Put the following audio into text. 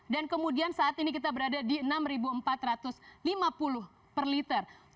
dan kemudian saat ini kita berada di rp enam empat ratus lima puluh per liter